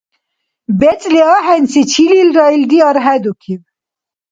БецӀли ахӀенси чилилра илди архӀедукиб.